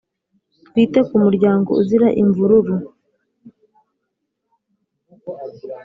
twite ku muryango uzira imvururu